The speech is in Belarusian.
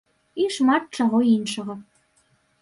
І шмат чаго іншага.